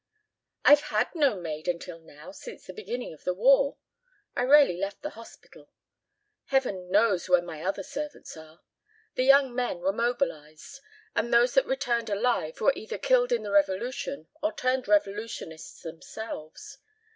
"I've had no maid until now since the beginning of the war. I rarely left the hospital. Heaven knows where my other servants are. The young men were mobilized and those that returned alive were either killed in the revolution or turned revolutionists themselves.